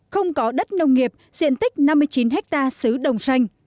không có đất nông nghiệp diện tích năm mươi chín ha xứ đồng xanh